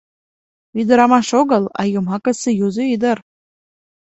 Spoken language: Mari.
Ӱдырамаш огыл, а йомакысе юзо ӱдыр.